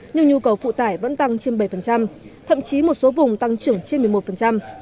nhưng nhu cầu phụ tải vẫn tăng trên bảy thậm chí một số vùng tăng trưởng trên một mươi một